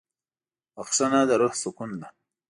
بښنه د روح سکون ده.